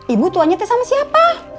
ibu itu hanya itu sama siapa